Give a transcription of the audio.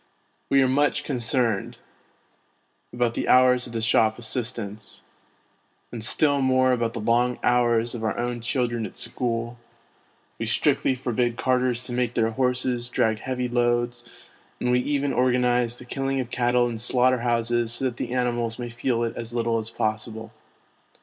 We are much concerned about the hours of the shop assistants, and still more about the long hours of our own children at school ; we strictly forbid carters to make their horses drag heavy loads, and we even organise the killing of cattle in slaughter houses so that the animals may feel it as little as possible.